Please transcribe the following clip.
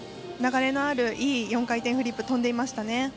流れのあるいい４回転フリップ跳んでいましたね。